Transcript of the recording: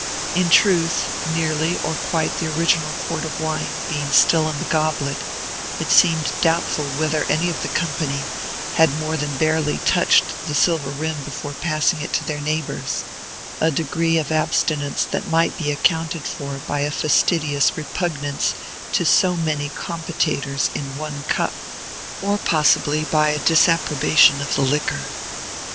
In truth, nearly or quite the original quart of wine being still in the goblet, it seemed doubtful whether any of the company had more than barely touched the silver rim before passing it to their neighbors, a degree of abstinence that might be accounted for by a fastidious repugnance to so many compotators in one cup, or possibly by a disapprobation of the liquor.